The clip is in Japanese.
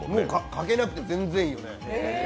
かけなくて全然いいよね。